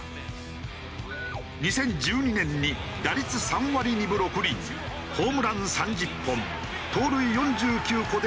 ２０１２年に打率３割２分６厘ホームラン３０本盗塁４９個で達成。